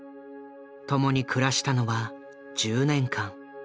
共に暮らしたのは１０年間。